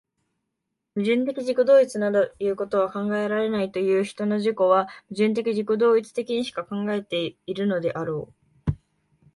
矛盾的自己同一などいうことは考えられないという人の自己は、矛盾的自己同一的にしか考えているのであろう。